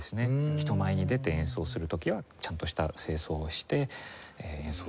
人前に出て演奏する時はちゃんとした正装をして演奏する。